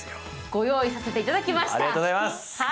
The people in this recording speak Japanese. ご用意させていただきました。